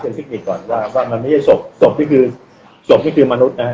เชิญซิกนิดก่อนว่ามันไม่ใช่ศพศพที่คือศพที่คือมนุษย์นะครับ